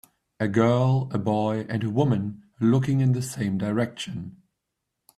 A girl, a boy, and a woman looking in the same direction.